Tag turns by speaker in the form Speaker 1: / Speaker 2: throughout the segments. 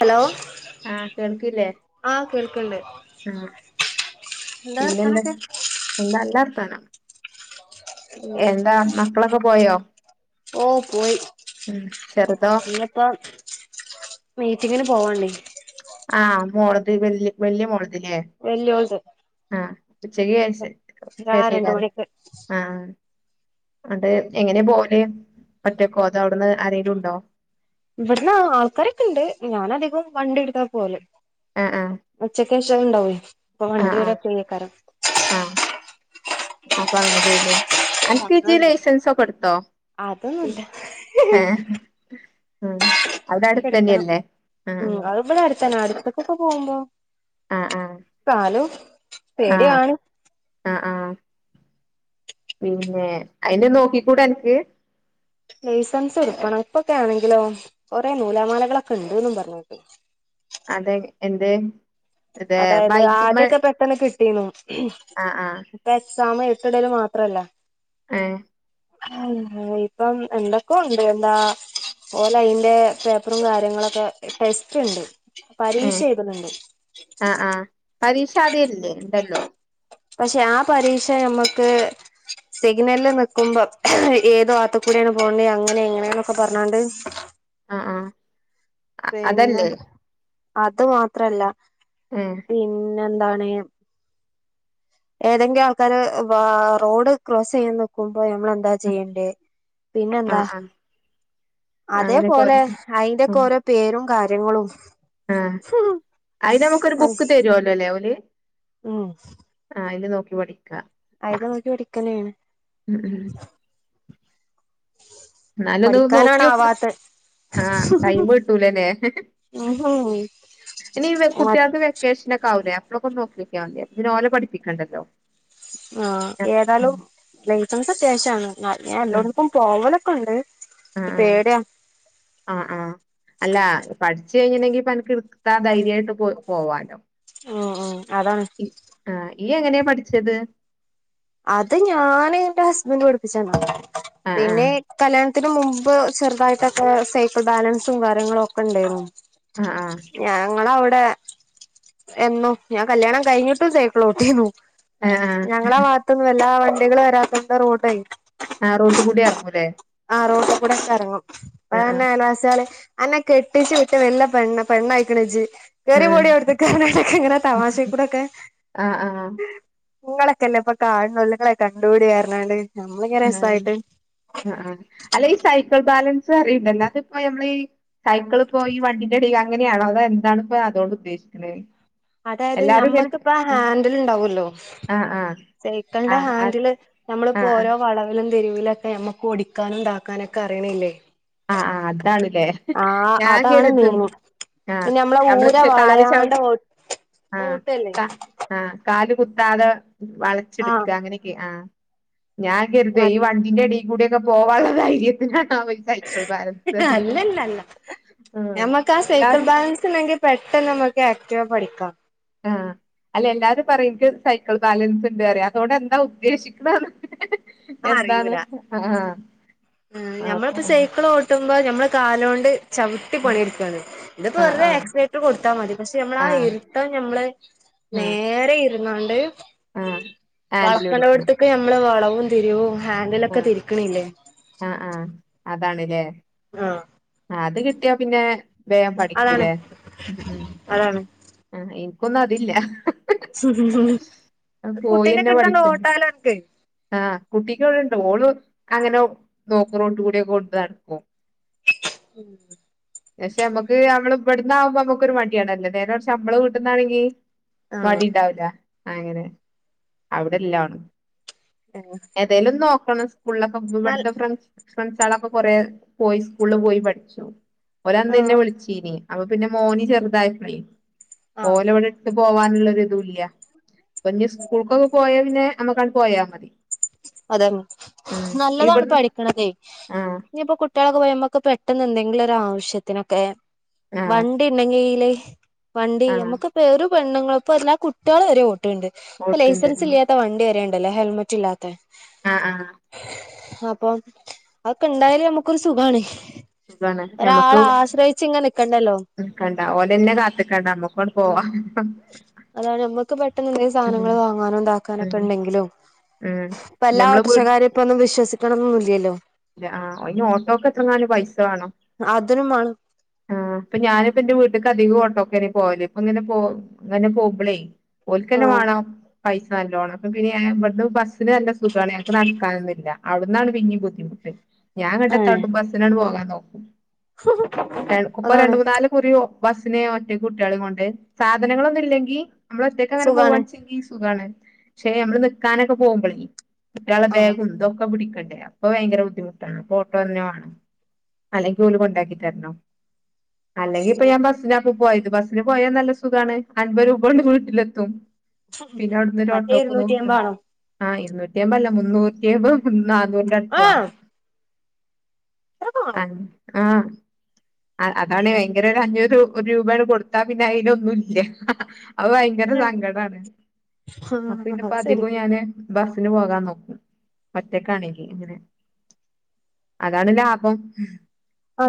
Speaker 1: Hello
Speaker 2: ആഹ് കേൾക്കില്ലേ
Speaker 1: ആഹ കേൾക്കണ്ട്
Speaker 2: ആഹ്
Speaker 1: എന്താ
Speaker 2: പിന്നെന്താ
Speaker 1: വർത്താനൊക്കെ
Speaker 2: എന്താ നല്ല വർത്താനം എന്താ മക്കളൊക്കെ പോയോ
Speaker 1: ഓ പോയി
Speaker 2: ഉം ചെറുതോ
Speaker 1: ഇനിപ്പം മീറ്റിങ്ങിന് പോവണ്ടേ
Speaker 2: വ വലിയ മോള
Speaker 1: വലിയ കൊച്ച-
Speaker 2: ആഹ ഉച്ചക്ക് ശേഷക്കാ
Speaker 1: രണ്ട്
Speaker 2: ശേഷകരാ
Speaker 1: മണിക്ക്
Speaker 2: ആഹ അത് എങ്ങനെ പോവൽ ഒറ്റക്കോ അതോ അവിടുന്ന് ആരെങ്കിലും ഉണ്ടോ
Speaker 1: ഇവിടന്ന് ആൾക്കാരൊക്കെ ഇണ്ട് ഞാൻ അധികം വണ്ടി എടുത്താ പോവല്
Speaker 2: ആഹ് ആഹ്
Speaker 1: ഉച്ച അത്യാവശം അ ഉണ്ടാവും ഇപ്പൊ
Speaker 2: ആഹ്
Speaker 1: വണ്ടി
Speaker 2: ആഹ്
Speaker 1: ലൊക്കെ കറങ്ങും
Speaker 2: ആഹ് അപ്പൊ അങ്ങനെ പോന്നു
Speaker 1: അങ്ങനെ
Speaker 2: അനക്ക്അയിന്
Speaker 1: പോവും
Speaker 2: ലൈസൻസ് ഒക്കെ എടുത്തോ
Speaker 1: അതൊന്നുല്ല
Speaker 2: ഏ ഹും
Speaker 1: എടുക്കണം ഉ അത്‌പാടേ അടുത്തന്നെ അടു ഒറ്റക്കൊക്കെ പോകുമ്പോ
Speaker 2: ആഹ് ആഹ്
Speaker 1: ന്നാലും
Speaker 2: ആഹ് ആഹ്
Speaker 1: പേടിയുന്നേനു
Speaker 2: ആഹ് ആഹ് പിന്നെ അയിന് നോക്കിക്കൂട അനക്ക്
Speaker 1: ലൈസൻസ് എടുക്കണം. ഇപ്പൊക്കെ ആണെങ്കിലോ, കൊറെേ നൂലാമാലകളൊക്കെ ഉണ്ട്ന്നും പറഞ്ഞെട്ട്.
Speaker 2: അതെ, എന്ത്? ഇത്
Speaker 1: അതായത്
Speaker 2: ബൈക്കുമ്മെ
Speaker 1: ആദ്യൊക്കെ പെട്ടെന്ന് കിട്ടീന്നു.
Speaker 2: ആഹ് ആഹ്
Speaker 1: ഇപ്പൊ [inaudible] [unintelligible] എട്ട്ടൽ മാത്രല്ലേ? [inaudible]
Speaker 2: ഏ
Speaker 1: മം ഇപ്പം എന്തൊക്കെ ഉണ്ട് എന്താ. ഓല് അയിന്റെ പേപ്പറും കാര്യങ്ങളൊക്കെ, ടെസ്റ്റ് ഉണ്ട്. പരീക്ഷ എഴുതുന്നുണ്ട്.
Speaker 2: അ ആ പരീക്ഷ അദ്യെല്ലേ? ഉണ്ടല്ലോ.
Speaker 1: പക്ഷെ ആ പരീക്ഷ ഞമ്മക്ക് സിഗ്നല് നിൽക്കുമ്പോ ഏത് വാതു [inaudible] [unintelligible] പോണ്ടിയെ അങ്ങനെ ഇങ്ങനെയൊക്കെ പറഞാണ്ട്,
Speaker 2: അ ആ
Speaker 1: പിന്നെ, അത് മാത്രല്ല.
Speaker 2: ഏഹ്
Speaker 1: പിന്നെ എന്താണ്? [unintelligible] ഏതെങ്കിലും ആൾക്കാര് വാ റോഡ് ക്രോസെയ്യാൻ നിക്കും [inaudible] ഇപ്പൊ നമ്മളെന്താ ചെയ്യേണ്ടേ? പിന്നെന്താ?
Speaker 2: ആഹ് ആഹ് അങ്ങനെ കൊറേ
Speaker 1: അതേപോലെ, അയിന്റെ ഒക്കെ ഓരോ പേരും കാര്യങ്ങളും.
Speaker 2: ആ, അയിന് നമുക്കൊരു ബുക്ക് തെരോലൊല്ലെ ഓല്.
Speaker 1: മം
Speaker 2: ആഹ് അയില് നോക്കി പടി [inaudible]
Speaker 1: അയില് നോക്കി പഠിക്കെന്നെണ്.
Speaker 2: ഉം ഉം എന്നാലൊന്ന്
Speaker 1: പഠിക്കാനാണ്
Speaker 2: നോക്കിയോക്ക്.
Speaker 1: ആവാത്തെ
Speaker 2: ആ ടൈം കിട്ടൂലല്ലേ. ഹ ഹ. ഇനി [unintelligible] കുട്ടിയാക്ക് വെക്കേഷനൊക്കെ ആാവൂലേ, [inaudible] [unintelligible] നമ്മക്കൊന്ന് നോക്കിയോക്കിയാൽ മതി, അപ്പൊ പിന്നെ ഓലെ പഠിപ്പിക്കേണ്ടല്ലോ.
Speaker 1: ആ ഏതാലും ലൈസൻസ് അത്യാശ്യമാണ് ഞാൻ എല്ലോടത്ക്കും പോവലും [inaudible]
Speaker 2: അ ആ, അ ആ അല്ലാ പഠി [inaudible] പഠിച് കഴിഞ്ണ്ടെങ്കി പ്പൊ അനക്ക് ഇടത്താ ധൈര്യയിട്ട് പോ പോവാല്ലോ.
Speaker 1: [unintelligible]
Speaker 2: [unintelligible] ആ ഇയ് എങ്ങനെ പഠിച്ചത്?
Speaker 1: അത് ഞാന് എന്റെ ഹസ്ബന്റ് പടിപ്പിചെന്ന.
Speaker 2: ആഹ് ആഹ്
Speaker 1: പിന്നെ കല്യാ [inaudible] തിന് മുമ്പ് ചെറുതായിട്ടൊക്കെ സൈക്കിൾ ബാലൻസും, കാര്യങ്ങളും ഒക്കെ ഉണ്ടേയിന്നു.
Speaker 2: ആഹ് ആഹ്
Speaker 1: ഞങ്ങളവിടെ [unintelligible] എന്നും, ഞാൻ കല്യാണം കഴിഞ്ഞിട്ടും സൈക്കളോട്ടിന്നു.
Speaker 2: എ ഏ
Speaker 1: വെല്ലാവണ്ടികള് വരാത്തോണ്ട് റോഡേ
Speaker 2: ആ റോട്ട് കൂടി എറങ്ങൂല്ലേ
Speaker 1: ആ റോട്ടുകൂടൊക്കെ എറങ്ങും
Speaker 2: ആഹ്
Speaker 1: അയന്നെ അയൽവാസേളീം അന്നെ കെട്ടിച്ച് വിട്ട വെല്ല പെണ്ണ് പെണ്ണായിക്ക്ണ്ജ് കേറി
Speaker 2: ആഹ്
Speaker 1: പോടീ ഔത്ത്ക്ക് ന്ന് പറഞ്ഞാണ്ടൊക്കെങ്ങനെ തമാശ കൂടൊക്കെ
Speaker 2: ആഹ് ആഹ്
Speaker 1: നിങ്ങളൊക്കെല്ലേപ്പൊ കാണ്ളൊള്ളു ഇങ്ങളെ ആ കണ്ടൂടിറഞ്ഞാണ്ട് നമ്മളിങ്ങനെ
Speaker 2: ആഹ്
Speaker 1: രസായിട്ട്
Speaker 2: ആഹ് ആഹ് അല്ല ഈ സൈക്കിൾ ബാലൻസ് റീണ്ടല്ലോ അതിപ്പോ നമ്മളീ സൈക്കിള്പ്പോ ഈ വണ്ടിന്റെ ഇടേല് അങ്ങിനെയാണോ അതോ എന്താണ് പ്പോ അതോണ്ട് ഉദ്ദേശിക്ക്ണേ
Speaker 1: അതായത് ഞമ്മക്ക്പ്പ ഹാൻഡല് ണ്ടാവൊല്ലോ
Speaker 2: ആഹ് ആഹ്
Speaker 1: സൈക്കള്ന്റെ
Speaker 2: ആഹ് ആഹ്
Speaker 1: ഹാൻഡില് നമ്മള്പ്പോ
Speaker 2: ആഹ്
Speaker 1: ഓരോ വളവിലും [unintelligible] രുവിലൊക്കെ നമ്മക്കും ഒടിക്കാനും താക്കാനൊക്കെ അറിണില്ലേ
Speaker 2: ആ ആ അതാണ്ലേ ഞാൻ
Speaker 1: അതാണ്
Speaker 2: കെരുതും
Speaker 1: മെയിന്
Speaker 2: ആ
Speaker 1: പിന്നെ നമ്മളെ
Speaker 2: നമ്മള്
Speaker 1: ഊര
Speaker 2: ച് കാല് ചവ്
Speaker 1: വളയാണ്ട ഓ
Speaker 2: [inaudible] ആ
Speaker 1: ഓട്ടല്ലേ
Speaker 2: കാ ആ കാല് കുത്താതെ
Speaker 1: ആ
Speaker 2: വളച്ചെട്ക്കാ അങ്ങനെക്കെ ആ ഞാൻ കെരുതേ ഈ
Speaker 1: മറ്റ്
Speaker 2: വണ്ടിന്റെഡീ കൂടെക്കെ പോകാള്ള ധൈര്യത്തി നാണാവോ സൈക്കൾ ബാലൻസ് [unintelligible] ആഹ്
Speaker 1: ഞ്ഞമ്മക്ക് ആ സൈക്കൾ
Speaker 2: എല്ലാരും
Speaker 1: ബാലൻസിണ്ടെങ്കിൽ പെട്ടെന്ന് ഞമ്മക്ക് ആക്ടീവാ പഠിക്കാം
Speaker 2: ആ അല്ല എല്ലാരും പറയും ഇൻക് സൈക്കിൾ ബാലൻസ് ഇണ്ട്ന്ന് അതോണ്ട് എന്താ ഉദ്ദേശിക്ക്ണത് എന്താന്ന് ആ ആ
Speaker 1: മ് നമ്മളിപ്പോ സൈക്കിൾ ഓട്ടുമ്പോ നമ്മള് കാലൊണ്ട് ചവിട്ടി പണി ഇട്ക്കാണ് ഇതിപ്പോ
Speaker 2: ആഹ്
Speaker 1: വെറ്തെ
Speaker 2: ആഹ്
Speaker 1: ആക്സിലേറ്റർ കൊടുത്താ മതി പക്ഷെ നമ്മളാ
Speaker 2: ആഹ്
Speaker 1: ഇരുത്തം മ്മള്
Speaker 2: ആഹ്
Speaker 1: നേരെ ഇ ഇരുന്ന്ക്കാണ്ട്
Speaker 2: ആഹ് ഹാൻഡിൽ പിടിക്കണം
Speaker 1: വളക്ക്നോട്തക്ക് ഞമ്മള് വളവും തിരി വും ഹാൻഡിലൊക്കെ തിരിക്കിണില്ലേ
Speaker 2: ആ ആ അതാണ് ല്ലേ
Speaker 1: ആഹ്
Speaker 2: അത് കിട്ടിയാ പിന്നെ വേം
Speaker 1: അതാണ്
Speaker 2: പഠിക്കുല്ലേ
Speaker 1: അതാണ്
Speaker 2: ഇന്ക് ഒന്നും അതില്ല [inaudible]
Speaker 1: കുട്ടീന്റെക്കെ
Speaker 2: പോയിഞ്ഞെ
Speaker 1: എടുത്താണ്ട്
Speaker 2: പഠിക്ക
Speaker 1: ഓട്ടാലോ അനക്ക്
Speaker 2: ആ കുട്ടിക്ക് വിടണ്ട് ഓൾ അങ്ങനെ നോക്ക റോടുകൂടിയൊക്കെ ഓട്ടി നടക്കും
Speaker 1: [inaudible]
Speaker 2: പക്ഷെ നമ്മക്ക് നമ്മള് ഇവിടന്നാകുമ്പോ നമ്മക്ക് ഒരു മടിയാണല്ലേനേരെ പക്ഷെ നമ്മള് കൂട്ടുന്നാണെങ്കി
Speaker 1: ആഹ്
Speaker 2: മടി ഇൻണ്ടാവില്ല അങ്ങനെ അവിടെലാ ണ്
Speaker 1: [inaudible]
Speaker 2: ഏതേലിലും നോക്കണം സ്കൂളിലൊക്കെ സ്കൂൾ
Speaker 1: നൽ
Speaker 2: പടത്തൊക്കെ ഫ്രണ്ട്സാളൊക്കെ കൊറെ പോയി സ്കൂളിൽ പോയി പഠിച്ചു ഓർ അന്ന്ന്നെ
Speaker 1: ആഹ്
Speaker 2: വിളിച്ചീലെന്നി അപ്പൊ പിന്നെ മോന് ചെറുതായ പയേ
Speaker 1: ആഹ്
Speaker 2: ഓലെ ഇവിടെ ഇട്ട് പോവാനുള്ളൊരു ഇതും ഇല്ല ഇപ്പൊ ഞ്ഞി സ്കൂൾക്കൊക്കെ പോയ പിന്നെ അമ്മക്കാണ്ട് പോയാ മതി
Speaker 1: അതെ
Speaker 2: ഉം
Speaker 1: നല്ലതാണ്
Speaker 2: ഇവിടുന്ന്
Speaker 1: പഠിക്കണത്
Speaker 2: ആഹ്
Speaker 1: ഇനിയിപ്പൊ കുട്ടികളൊക്കെ പോയാ നമ്മക്ക് പെ പെട്ടെന്ന് എന്തെങ്കിലും ഒരുവശ്യത്തിനൊക്കെ
Speaker 2: ആഹ്
Speaker 1: വണ്ടി ഉണ്ടെങ്കലേ വണ്ടി
Speaker 2: ആഹ്
Speaker 1: നമുക്കിപ്പ വറ ഒരു പെണ്ണുങ്ങളും ഇപ്പോ എല്ല കുട്ടികളും വരെ ഓട് ഇപ്പ
Speaker 2: പോത്ത്ണ്ട്
Speaker 1: ലൈസൻസ് ഇല്ലാത്ത വണ്ടി വരെെയുണ്ട് ല്ല ഹെൽമെറ്റ് ഇല്ലാത്ത
Speaker 2: ആഹ് ആഹ്
Speaker 1: അപ്പൊ അതൊക്കെ ഇണ്ടായല് നമ്മുക്കൊരു സുഖമാണ്
Speaker 2: സുഖാണ്
Speaker 1: ഒരാള
Speaker 2: ഞമ്മക്ക്
Speaker 1: ആശ്രയിച്ച് ഇങ്ങനെ നിക്കണ്ടല്ലോ
Speaker 2: നിക്കണ്ട ഓലഞ്ഞെ കാത്ത്നിക്കണ്ട നമ്മുക്കാണ്ട്
Speaker 1: ഉം
Speaker 2: പോവാ
Speaker 1: അതാണ് നമ്മുക്ക് പെട്ടെന്ന് എന്തെങ്ക സാധനങ്ങൾ
Speaker 2: ഉം
Speaker 1: വാങ്ങാനോതാക്കാന ഒക്കെ
Speaker 2: ഉം
Speaker 1: ഉണ്ടെങ്കിലും
Speaker 2: ഉം
Speaker 1: ഇപ്പ
Speaker 2: പിന്നെ
Speaker 1: എല്ലാ
Speaker 2: നമ്മള്
Speaker 1: ഓട്ടോറിക്ഷക്കാരും ഇപ്പൊന്നും വിശ്വസിക്കണമൊന്നില്ലല്ലോ
Speaker 2: അ അയിന് ഓട്ടോക്കെ എത്രങ്ങാനും പൈ പൈസ വേണം
Speaker 1: അതിനും വേണം
Speaker 2: ഇപ്പൊ ഞാനിപ്പോ ഇന്റെ വീട്ട ഇക്ക അധികം ഓട്ടോക്കഴിഞ് പോവല് ഇപ്പൊ ഇങ്ങനെ പോ ഇങ്ങനെ പോവുമ്പള് ഓൽക്കഞ്ഞേ
Speaker 1: ആഹ്
Speaker 2: വേണം പൈസ നല്ലോണം അപ്പൊ പിന്നെ ഇവിടുന്ന് ബസ്സിന് നല്ല സുഖമാണ് ഞക്ക് നടക്കാനന്നില്ല അവിടന്നാണ് പിന്ന ബുദ്ധിമുട്ട് ഞാൻഇന്നിട്ട് എന്താട്ടും ബസ്സിനാണ് പോകാൻ നോക്കും ഇപ്പൊ രണ്ടു
Speaker 1: അതാണ്
Speaker 2: മൂന്നാല് കുറി ബസ്സിന് ഞാന് ഒറ്റക്ക് കുട്ട്യാളീം കൊണ്ട് സാധനങ്ങളൊന്നും ഇല്ലങ്കിൽ നമ്മൾ ഒറ്റയ്ക്ക് അങ്ങനെ
Speaker 1: സുഖാണ്
Speaker 2: പോവാണെ ചെങ്കി സുഖാണ് പക്ഷെ നമ്മള് നിക്കാനൊക്കെ പോകുമ്പോള് കുട്ട്യാളെ
Speaker 1: ആഹ്
Speaker 2: ബാഗും ഇന്തൊക്കെ പിടിക്കണ്ടേ അപ്പൊ ഭയങ്കര ബു ബുദ്ധിമുട്ടാണ് അപ്പൊ ഓട്ടഞ്ഞെ വേണം അല്ലെങ്കിൽ ഓൽ കൊണ്ടാക്കി തരണം അല്ലെങ്കി ഇപ്പൊ
Speaker 1: അങ്ങനെ
Speaker 2: ഞാൻ ബസ്സിനാ ഇപ്പൊ പോയത് ബസ്സിന് പോയാ നല്ല സുഖാണ് അൻപത് രൂപണ്ട് വീട്ടിലെത്തും പിന്നെ അവിടന്ന് ഒരു
Speaker 1: മറ്റേ
Speaker 2: ഓട്ടോക്ക് നോ
Speaker 1: ഇരുന്നൂറ്റി അമ്പാണോ
Speaker 2: ആ ഇരു ഏമ്പല അല്ല മുന്നൂറ്റിഅയ്മ്പത് നാന്നൂറിന്റെ അടുത്ത്
Speaker 1: ആഹ്
Speaker 2: വേണം
Speaker 1: അത്രക്കാണോ
Speaker 2: അ ആ അതാണ് ഭയങ്കര ഒരു അഞ്ഞൂറ് ഒരു രൂപയാണ് കൊടുത്താ പിന്നെ അയിഞ് ഒന്നൂല്യ അത് ഭയങ്കര
Speaker 1: ആഹ്
Speaker 2: സങ്കടാണ് അപ്പ ഞാൻ
Speaker 1: അത് ശരി
Speaker 2: അധികം ഞാന് ബസ്സിന് പോകാൻ നോക്കും ഒറ്റക്കാണെങ്കി ഇങ്ങനെ അതാണ് ലാഭം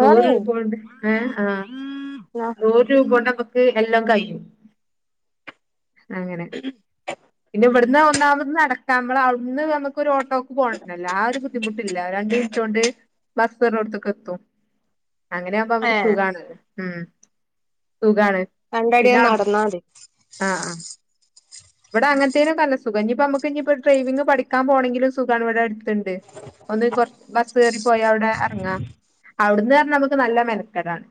Speaker 2: നൂറ് രൂപോണ്ട് [unintelligible] നൂറുരൂപോണ്ട് നമ്മക്ക് എല്ലാം കഴിയും അങ്ങനെ പിന്ന ഇവിട്ന്ന് ഒണാമത് നടക്കാം മ്പള്ള അവിട്ന്ന് നമുക്ക് ഓട്ടോക്ക് പോകണല്ല ആ ഒരു ബുദ്ധിമുട്ടില്ല ബസ്കേറുണോട്ത്ത്ക്ക് എത്തും അങ്ങനെ ആവുമ്പോ നമുക്ക്
Speaker 1: ഏഹ്
Speaker 2: സുഖാണ് മ് സുഖാണ്
Speaker 1: രണ്ടടി
Speaker 2: പിന്നെ അവിടു
Speaker 1: നടന്നാ മതി
Speaker 2: ആ ആ ഇവിടെ അങ്ങനത്തേനൊ ക്കെ ന ല്ല സുഖം ഇനിയിപ്പ നമക്ക് ഇനിപ്പ ഡ്രൈവിംഗ പഠി ക്കാൻപോണെങ്കിലും സുഖമാണ് ഇവിടെഅടു [unintelligible] ഒന്ന് കൊ ർബസ് കേറി പോയഅവിടെ ഇറങ്ങാം അവിടന്ന്ന്ന് പറഞ്ഞാൽ നമുക്ക് നല്ല മെനക്കടാണ്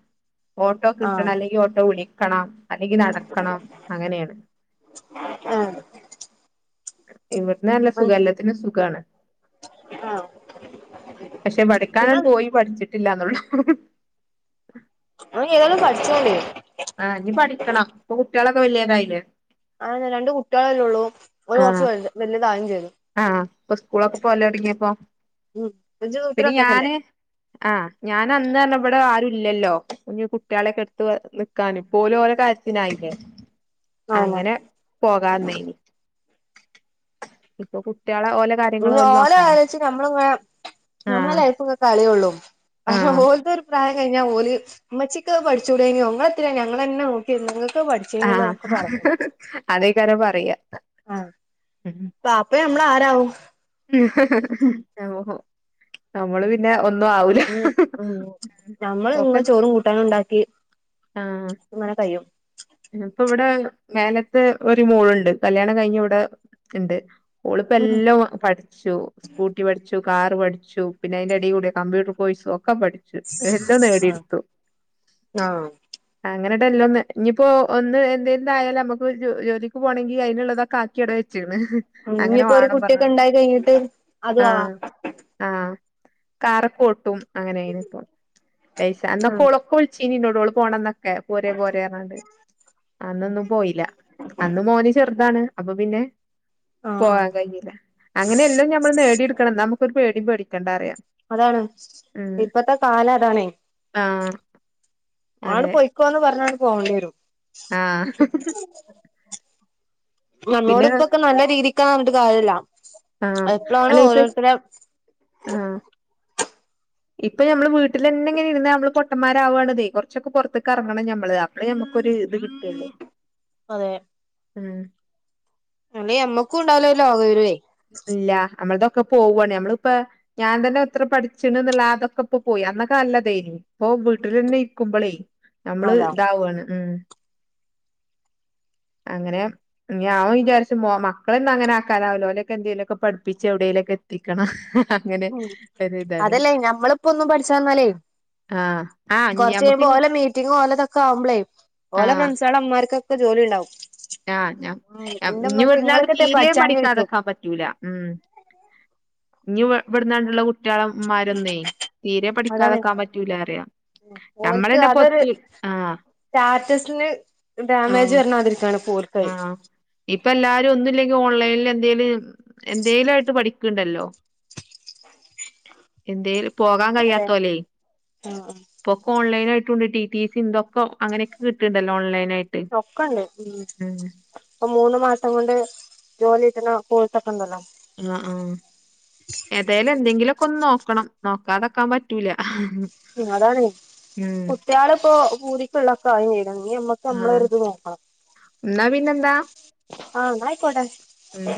Speaker 2: ഓട്ടോ കിട്ടണം
Speaker 1: ആഹ്
Speaker 2: അല്ലെങ്കിൽ ഓട്ടോ വിളിക്കണം അല്ലെങ്കിൽ നടക്കണം അങ്ങനെയാണ്
Speaker 1: [unintelligible]
Speaker 2: ഇവിടന്ന് നല്ല സുഖ എല്ലത്തിനും സുഖാണ്.
Speaker 1: ആഹ്
Speaker 2: പക്ഷെ
Speaker 1: പിന്നെ
Speaker 2: പഠിക്കാൻപോയി പഠിച്ചിട്ട് ഇല്ലന്നുള്ളു [inaudible]
Speaker 1: [unintelligible] ഏതായാലും പഠിച്ചോണ്ടോ [unintelligible]
Speaker 2: ആ ഇനി പഠിക്കണം ഇപ്പൊ കുട്ടികൾ ഒക്കെ വലി തായില്ലേ
Speaker 1: അങ്ങെനെ രണ്ട് കുട്ടികളെല്ലേ ഉള്ളൂ ഓല് കുറച്ച് വലിതാ വും ചെയ്തു
Speaker 2: ആഹ് ഇപ്പൊ സ്കൂളൊക്കെ പോകല് തു ടങ്ങിയപ്പോ
Speaker 1: ഉം ഇജ്ജ് വീട്ടില്
Speaker 2: പിന്ന
Speaker 1: ഒറ്റക്കല്ലേ
Speaker 2: ഞാന് ആഹ് ഞാനന്ന് [unintelligible] ഇവിടെ ആരുല്ലല്ലോ ഇനി കുട്ടികളെക്കെ അടുത്ത് നിക്കാനും, ഇപ്പൊ ഓര് ഒരേ കാര്യത്തിനായില്ലേ
Speaker 1: ആഹ്
Speaker 2: അങ്ങനെ പോകാന്നേ ഇപ്പൊ കു
Speaker 1: ഓല കലോ [unintelligible] ച്ച് നമ്മള് ഇങ്ങനെ നമ്മളല്ല
Speaker 2: ആഹ്
Speaker 1: ലൈഫ് കളിയള്ളൂ
Speaker 2: ആഹ്
Speaker 1: ഓലത്തരു പ്രായം [unintelligible] കഴിഞ്ഞാൽ ഓല്ഉമ്മച്ചിക്ക് പഠിച്ചൂടോന്നോ ഇങ്ങള് ളെത്തി നാ ഞങ്ങളെ ന്നെ നോക്കിയിരുന്നത് ഞെ തന്നെ നോക്കി [unintelligible] പഠിച്ചു
Speaker 2: ആഹ്
Speaker 1: കഴിഞ്ഞതൊക്കെ പറയു [unintelligible]
Speaker 2: അതേക്കാരം പറയാ
Speaker 1: ആ ബാപ്പ നമ്മള് ആരാവും
Speaker 2: [unintelligible] നമ്മള് പിന്നെ ഒന്നും ആവൂല
Speaker 1: ഉം ഉം ഞമ്മൾ
Speaker 2: ഓക്കെ
Speaker 1: ഇങ്ങ ചോറും കൂട്ടാനും ഉണ്ടാക്കി മന [unintelligible] കഴിയും
Speaker 2: ഇപ്പ ഇവിടെ മേലത്തെ ഒരു മോളുണ്ട്. കല്യാണം കഴിഞ്ഞ ഇവിടെ ഉണ്ട്. ഓളിപ്പ
Speaker 1: ഉം
Speaker 2: എല്ലാം പഠിച്ചു സ്കൂട്ടി പഠിച്ചു കാർ പഠിച്ചു. പിന്നെ അതിന്റെ എടീക്കൂടി കമ്പ്യൂട്ടർ കോഴ്സും ഒക്കെ [unintelligible] ക്കെ പഠിച്ചു എല്ലാം
Speaker 1: ആഹ്
Speaker 2: നേടിടുത്തു.
Speaker 1: ആഹ്
Speaker 2: അങ്ങനെട്ടല്ലോ ന്ന് ഇനിയിപ്പോൊ ഒന്ന് എന്തായാലും നമുക്ക്ജോ [unintelligible] ജോലിക്ക് പോണെങ്കിൽ അതിനുള്ളതൊക്കെ ആക്കി അവിടെ വെച് [unintelligible] അങ്ങനെ
Speaker 1: ഇനിയിപ്പോ
Speaker 2: വാ
Speaker 1: ഒരു
Speaker 2: ണം പറഞ്ഞ
Speaker 1: കുട്ടിയൊക്കെ ഉണ്ടായി കഴിഞ്ഞിട്ട് അതും
Speaker 2: ആ
Speaker 1: ആവാം
Speaker 2: ആ
Speaker 1: ആഹ്
Speaker 2: [unintelligible] സ്കൂൾപോണംന്നൊക്കെ പോരോ പോരോന്ന് അന്നൊന്നും പോയില്ല അന്ന് മോന് ചെറുതാണ് അപ്പൊ പിന്നെ
Speaker 1: ആഹ് ആഹ്
Speaker 2: പോവാാൻ കഴിഞ്ഞില്ല അങ്ങനെയെല്ലാം ഞമ്മള് നേടിയെടുക്കണം നമുക്കൊരു പേടിയും പേടിക്കേണ്ട അറിയാം
Speaker 1: അതാണ് ഇപ്പത്തെ കാലം അതാണേ.
Speaker 2: ആഹ്
Speaker 1: ആണ്ട്
Speaker 2: അതെ
Speaker 1: പൊയ്ക്കോന്ന് പറഞ്ഞ പോകേണ്ടി വരും
Speaker 2: ആഹ്
Speaker 1: നമ്മോട്
Speaker 2: പിന്നെ
Speaker 1: ഇപ്പൊക്കെ നല്ല രീതിക്കാന്ന് പറഞ്ഞിട്ട് കാര്യമില്ല
Speaker 2: ആ അല്ല ഇപ്പൊ ആ ഇപ്പൊ നമ്മ ൾവീട്ടിൽന്നെങ്ങനെ ഇരുന്ന നമ്മള് പൊട്ടൻമാർവണത് കൊ റച്ചൊക്കെ പുറത്തക്ക് ഇറങ്ങണം ഞമ്മള് അപ്ലേ അപ്പൊ ഒരു ത് കിട്ടൂല്ലോ
Speaker 1: അതെ
Speaker 2: ഉം
Speaker 1: അമ്മേഅമ്മക്കും ഉണ്ടാവല്ലോ ലോക വിവരെ
Speaker 2: ഇല്ല. നമ്മളതൊക്കെ പോവുവാണെ, നമ്മളിപ്പ ഞാൻ തന്നെ എത്ര പഠിച്ചിണ്ന്ന്ള്ള ആ അതൊക്കെ ഇപ്പോ പോയി അന്നൊക്കെനല്ലതെനി ഇപ്പൊ വീട്ടിലെന്നെ ഇരിക്കുബോൾയ് നമ്മള്
Speaker 1: അതാ
Speaker 2: ഇതാവാണ് ഉഠ അങ്ങനെ ഞാൻവിചാരിച്ചും മക്കളൊന്നൊങ്ങനെ ആക്കാനാവല്ലോഓല് എന്തേലൊക്കെ പഠിപ്പിച്ച് എവിടേലൊക്കെ എത്തിക്കണം അങ്ങനെ
Speaker 1: ഉം
Speaker 2: ഒരു ഇതാണ്
Speaker 1: അതല്ലേ ഞമ്മളിപ്പോ ഒന്നും പഠിച്ചനിന്നാലേ
Speaker 2: ആഹ് ആഹ്
Speaker 1: കൊർച്
Speaker 2: ഞമ്മക്ക്
Speaker 1: കയുമ്പോ ഓലെ മീറ്റിംങ്ങും ഓലതൊക്കെ ആവുമ്പളെയ്, ഒലെ
Speaker 2: ആഹ്
Speaker 1: ഫ്രണ്ട്‌സെളെ മ്മാർക്ക് ജോലി ഉണ്ടാവും
Speaker 2: ആഹ് ഞാൻ
Speaker 1: ഉം എന്റെ
Speaker 2: ഇഞ്
Speaker 1: ഉമ്മച്ചി
Speaker 2: വ്ട്ന്ണ്ട്
Speaker 1: ഇങ്ങളൊക്കെത്തെ
Speaker 2: തീരെേ
Speaker 1: പഠിച്ചാഞ്ഞെ ചോയ്ച്ചും
Speaker 2: പഠിക്കാതക്കാൻ പറ്റൂല ഉം ഇ ഇവിടന്നാണ്ടുള്ള കു മറ്റാളമാരന്നേ തീരെ
Speaker 1: അതാണ്
Speaker 2: പഠിക്കാതക്കാൻ പറ്റൂല അറിയാം ഞമ്മളന്ന പൊത്ത ആ
Speaker 1: റ്റാറ്റസിന് ഡാമേജ് വരണാതിരിക്കാ ണ് പോൽ
Speaker 2: ആഹ ഇപ്പൊ എല്ലാരും ഒന്നുംല്ലെങ്ക ഓൺ ലൈനിൽ എന്തേലും എന്തേലും ആയിട്ട് പഠിക്കണ്ടല്ലോ എന്തേും പോകാൻ
Speaker 1: അതെ
Speaker 2: കഴിയാത്തോലെ
Speaker 1: ആഹ്
Speaker 2: ഇപ്പൊക്കെ ഓൺലൈൻ ആായി റ്റുണ്ട് ട്ടി ട്ടി സി ന്തൊക്കെങ്ങനൊക്കെ കിട്ടണ്ടല്ലോ ഓൺലൈൻ ആയിട്ട്
Speaker 1: ഒക്കണ്ട് ഉ
Speaker 2: ഉം
Speaker 1: ഇപ്പൊ മൂന്ന് മാസം കൊണ്ട് ജോലിട്ടുന്ന കോഴ്സ
Speaker 2: ആ ആഹ ഏതായാലും എന്തെങ്കിലൊക്കെന്നോ നക്കണം നോക്കാതെക്കാൻ പറ്റൂല
Speaker 1: അതാണ്
Speaker 2: ഉം
Speaker 1: കുട്ടികള ഇപ്പോൊ പൂതിക്കുള്ള ക്കെ അഴിച്ചെയത്തിന് നമ്മക്ക് നമ്മള ഒ ഇത് നോക്കണം
Speaker 2: ന്നാ പിന്നെന്താ
Speaker 1: ആഹ ന്നായ് ക്കോട്ടേ
Speaker 2: ഉം